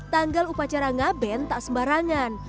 tanggal upacara ngaben tak sembarangan